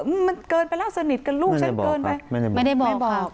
อืมมันเกินไปแล้วสนิทกับลูกฉันเกินไปไม่ได้บอกครับไม่ได้บอก